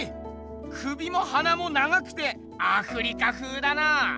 首も鼻も長くてアフリカふうだな。